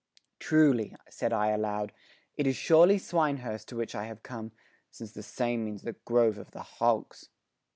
"Truly," said I aloud, "it is surely Swinehurst to which I have come, since the same means the grove of the hogs."